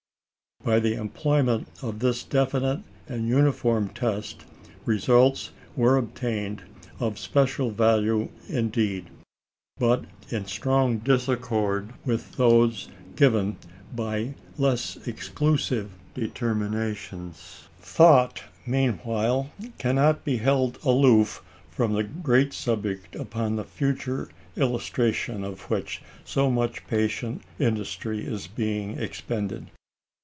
By the employment of this definite and uniform test, results were obtained, of special value indeed, but in strong disaccord with those given by less exclusive determinations. Thought, meantime, cannot be held aloof from the great subject upon the future illustration of which so much patient industry is being expended.